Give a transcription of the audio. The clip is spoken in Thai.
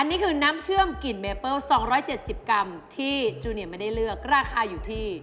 นี่คือน้ำเชื่อมกลิ่นเมเปิ้ล๒๗๐กรัมที่จูเนียไม่ได้เลือกราคาอยู่ที่